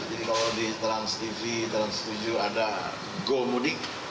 jadi kalau di trans tv trans tujuh ada gomudik